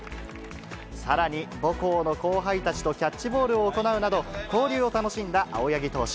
さらに母校の後輩たちとキャッチボールを行うなど、交流を楽しんだ青柳投手。